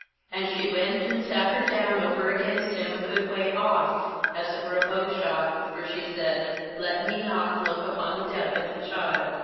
16And she went, and sat her down over against him a good way off, as it were a bowshot; for she said: ' Let me not look upon the death of the child.'